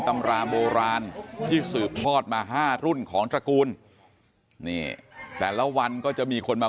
ตำราโบราณที่สืบทอดมา๕รุ่นของตระกูลนี่แต่ละวันก็จะมีคนมา